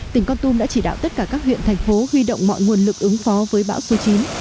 tỉnh con tum đã chỉ đạo tất cả các huyện thành phố huy động mọi nguồn lực ứng phó với bão số chín